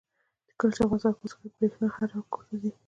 کله چې افغانستان کې ولسواکي وي برښنا هر کور ته ځي.